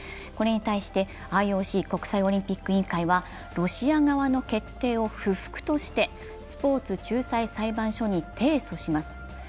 これに対してＩＯＣ＝国際オリンピック委員会はロシア側の決定を不服としてスポーツ仲裁裁判所に提訴します。